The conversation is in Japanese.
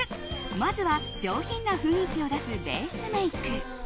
まずは上品な雰囲気を出すベースメイク。